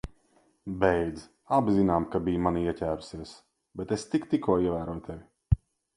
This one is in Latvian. Beidz. Abi zinām, ka biji manī ieķērusies, bet es tik tikko ievēroju tevi.